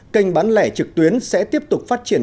kênh bán lẻ trực tuyến sẽ tiếp tục phát triển